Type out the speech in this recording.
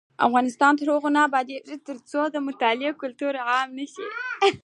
افغانستان تر هغو نه ابادیږي، ترڅو د مطالعې کلتور عام نشي.